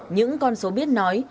những con số biết nói